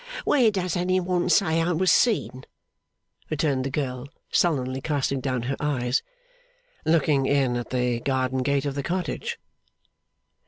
Where does any one say I was seen?' returned the girl, sullenly casting down her eyes. 'Looking in at the garden gate of the cottage.